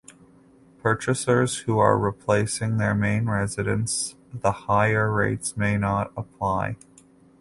Purchasers who are replacing their main residence the higher rates may not apply.